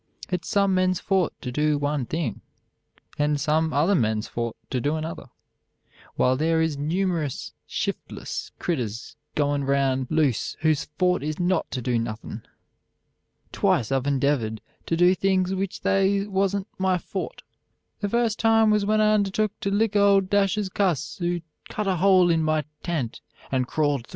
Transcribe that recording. "It's some men's fort to do one thing, and some other men's fort to do another, while there is numeris shiftless critters goin' round loose whose fort is not to do nothin'. "Twice I've endevered to do things which they wasn't my Fort. The first time was when I undertook to lick a owdashus cuss who cut a hole in my tent and krawld threw.